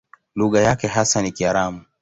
Lugha yake hasa ni Kiaramu.